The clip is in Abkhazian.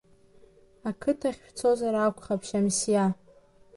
Ақыҭахь шәцозар акәхап, Шьамсиа…